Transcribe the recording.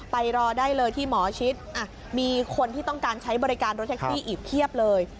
ไปรอได้เลยที่หมอชิดมีคนที่ต้องการใช้บริการรถแท็กซี่อีกเพียบเลย